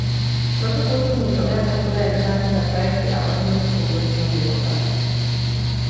Proto kulturní program podporuje nezávislé projekty a osobnosti kulturního života.